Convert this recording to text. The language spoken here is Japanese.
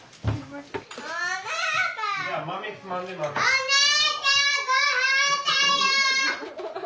お姉ちゃんごはんだよ！